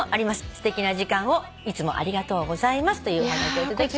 「すてきな時間をいつもありがとうございます」というおはがきを頂きました。